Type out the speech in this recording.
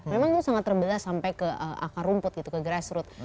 memang itu sangat terbelah sampai ke akar rumput gitu ke grassroot